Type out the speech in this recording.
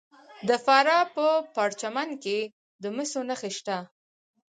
د فراه په پرچمن کې د مسو نښې شته.